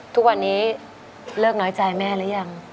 ทุกวันนี้เลิกน้อยใจแม่หรือยัง